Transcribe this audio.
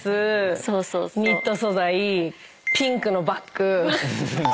ニット素材ピンクのバッグ。